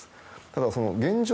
ただ、現状